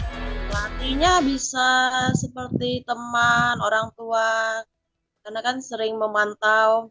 pelatihnya bisa seperti teman orang tua karena kan sering memantau